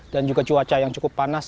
dan juga cuaca yang cukup panas